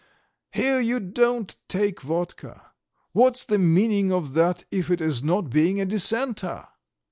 Here you don't take vodka. What's the meaning of that if it is not being a dissenter?"